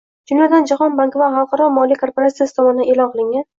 Jumladan, Jahon banki va Xalqaro moliya korporatsiyasi tomonidan e’lon qilingan